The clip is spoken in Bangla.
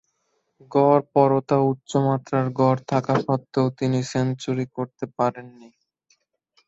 গড়পড়তা উচ্চমাত্রার গড় থাকা স্বত্ত্বেও তিনি সেঞ্চুরি করতে পারেননি।